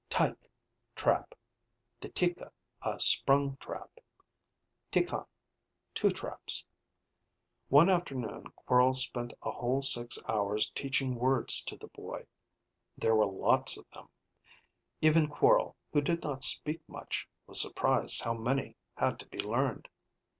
Tike trap, Di'tika a sprung trap, Tikan two traps. One afternoon Quorl spent a whole six hours teaching words to the boy. There were lots of them. Even Quorl, who did not speak much, was surprised how many had to be learned.